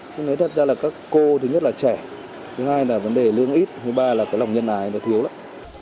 tôi nói thật ra là các cô thứ nhất là trẻ thứ hai là vấn đề lương ít thứ ba là cái lòng nhân ái nó thiếu lắm